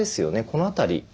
この辺り。